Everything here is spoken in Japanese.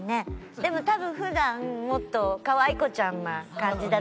でも多分普段もっとかわい子ちゃんな感じだと思うんですよ。